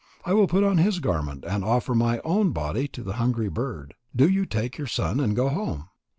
I will put on his garment and offer my own body to the hungry bird. Do you take your son and go home."